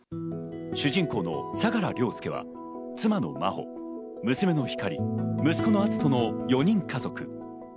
主人公の相良凌介は妻の真帆、娘の光莉、息子の篤斗の４人家族。